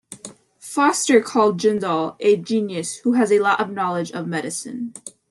Foster called Jindal a genius who has a lot of knowledge of medicine.